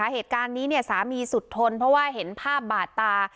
เหตุการณ์นี้สามีสุดทนเพราะว่าเห็นภาพบาดตา